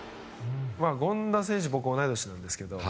権田選手は僕、同い年なんですけど。